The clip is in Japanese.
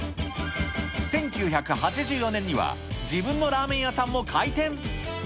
１９８４年には、自分のラーメン屋さんも開店。